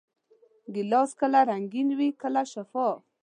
ګیلاس کله رنګین وي، کله شفاف.